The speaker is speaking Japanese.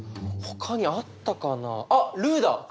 ほかにあったかなあっルーだ！